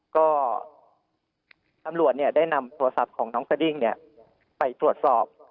ก็ทำรวจเนี่ยได้นำโทรศัพท์ของน้องสดิ้งเนี่ยไปตรวจสอบ